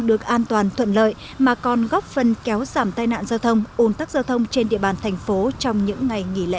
được an toàn thuận lợi mà còn góp phần kéo giảm tai nạn giao thông ủn tắc giao thông trên địa bàn thành phố trong những ngày nghỉ lễ